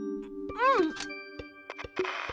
うん！